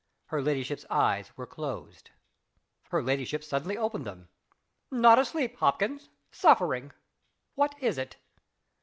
Her ladyship's eyes were closed. Her ladyship suddenly opened them. "Not asleep, Hopkins. Suffering. What is it?"